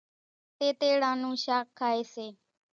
تيتيڙان نون شاک کائيَ سي۔